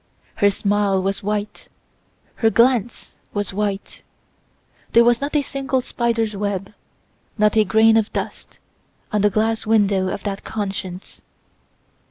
Her smile was white, her glance was white. There was not a single spider's web, not a grain of dust, on the glass window of that conscience.